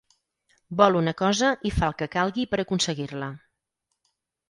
Vol una cosa i fa el que calgui per aconseguir-la.